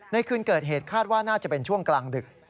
คืนเกิดเหตุคาดว่าน่าจะเป็นช่วงกลางดึก